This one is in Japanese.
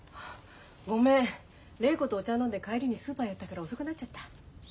ごめん礼子とお茶飲んで帰りにスーパー寄ったから遅くなっちゃった。